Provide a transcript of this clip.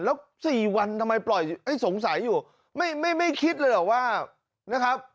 แล้ว๔วันทำไมปล่อยให้สงสัยอยู่ไม่ไม่คิดเลยเหรอว่านะครับ